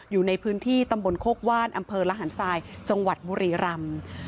อยู่ในพื้นที่ตำบลโคกว่านอำเภอระหันทรายจังหวัดบุรีรำ